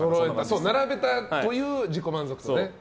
並べたという自己満足ね。